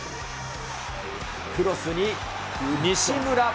クロスに西村。